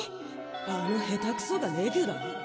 あの下手くそがレギュラー？